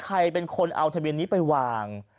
ใครเป็นคนเอาทะเบียนนี้ไปวาง